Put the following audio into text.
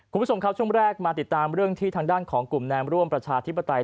คุณผู้ชมครับช่วงแรกมาติดตามเรื่องที่ทางด้านของกลุ่มแนมร่วมประชาธิปไตย